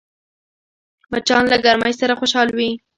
مچان له ګرمۍ سره خوشحال وي